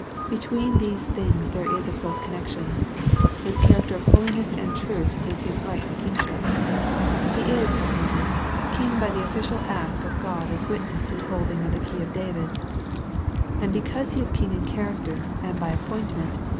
Between these things there is a close connection. His character of hoHness and truth is His right to Kingship. He is, moreover, King by the official act of God as witness His holding of the key of David. And because He is King in character, and by appointment.